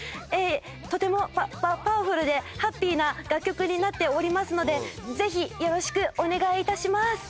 とてもパワフルでハッピーな楽曲になっておりますのでぜひよろしくお願いいたします。